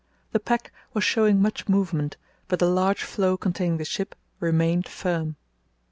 The pack was showing much movement, but the large floe containing the ship remained firm.